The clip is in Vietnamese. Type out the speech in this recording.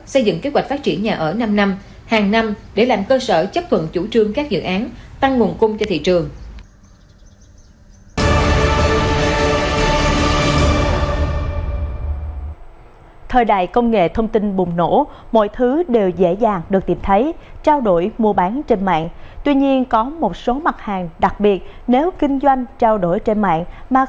xây dựng kế hoạch phát triển nhà ở năm năm